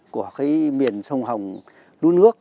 của cái miền sông hồng núi nước